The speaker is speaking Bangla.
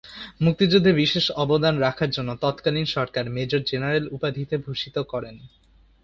মুক্তিযুদ্ধে বিশেষ অবদান রাখার জন্য তৎকালীন সরকার মেজর জেনারেল উপাধিতে ভূষিত করেন।